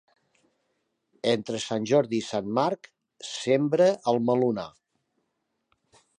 Entre Sant Jordi i Sant Marc sembra el melonar.